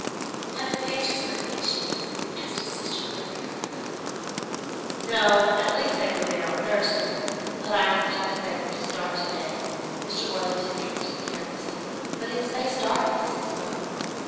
"Have the Pages left Nice yet?" asked his sister, rather irrelevantly. "No, at least they were there on Thursday, but I think that they were to start to day." Mr. Worthington answered carelessly, but his face darkened as he spoke.